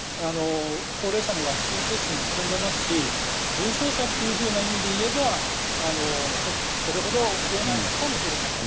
高齢者のワクチン接種も進んでいますし重症者というふうな意味で言えばそれほど増えないのかもしれません。